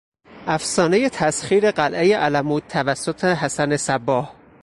افسانهی تسخیر قلعهی الموت توسط حسن صباح